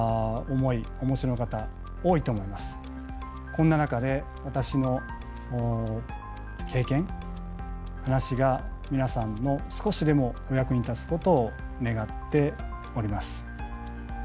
こんな中で私の経験話が皆さんの少しでもお役に立つことを願っております。